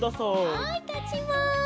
はいたちます。